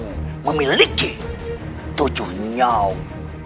dia memiliki tujuh nyawa